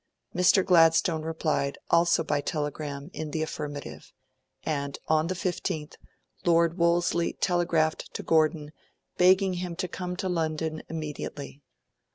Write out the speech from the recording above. Mr. Gladstone replied, also by a telegram, in the affirmative; and on the 15th, Lord Wolseley telegraphed to Gordon begging him to come to London immediately.